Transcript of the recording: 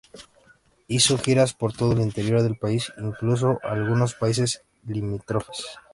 Hizo giras por todo el interior del país e incluso a algunos países limítrofes.